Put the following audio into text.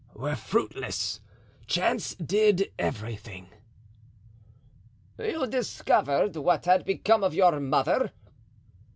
"Were fruitless; chance did everything." "You discovered what had become of your mother?"